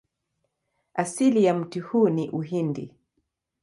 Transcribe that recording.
Asili ya mti huu ni Uhindi.